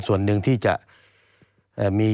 ตั้งแต่ปี๒๕๓๙๒๕๔๘